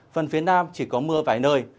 phần phía nam chỉ có mưa vài nơi